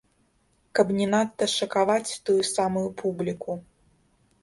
Каб не надта шакаваць тую самую публіку.